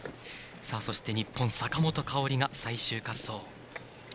そして、日本坂本花織が最終滑走。